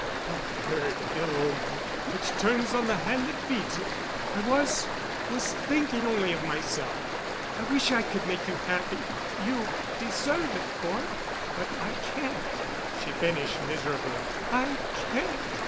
I'm a bird of ill omen—which turns on the hand that feeds it. I was—was thinking only of myself. I wish I could make you happy—you deserve it, Cort. But I can't," she finished miserably, "I can't."